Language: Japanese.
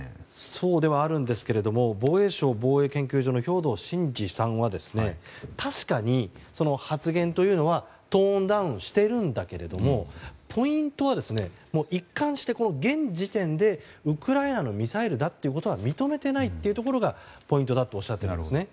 そうではあるんですが防衛省防衛研究所の兵頭慎治さんは確かにその発言というのはトーンダウンしているんだけれどポイントは一貫して、現時点でウクライナのミサイルだとは認めていないところがポイントだとおっしゃっています。